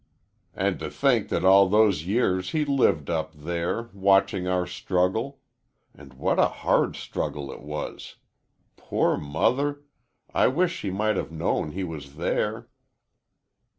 "And to think that all those years he lived up there, watching our struggle. And what a hard struggle it was! Poor mother I wish she might have known he was there!"